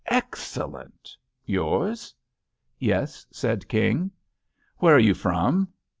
"Excellent! Yours?" "Yes," said King. "Where are you from?"